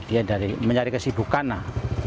ya dari mencari kesibukan lah